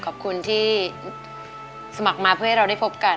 ขอบคุณที่สมัครมาเพื่อให้เราได้พบกัน